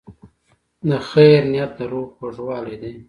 د خیر نیت د روح خوږوالی دی.